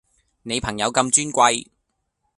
你朋友咁尊貴